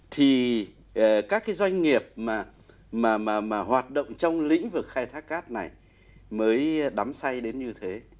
thì các cái doanh nghiệp mà hoạt động trong lĩnh vực khai thác cát này mới đắm say đến như thế